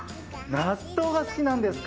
納豆が好きなんですか？